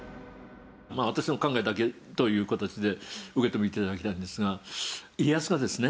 私の考えだけという形で見て頂きたいんですが家康がですね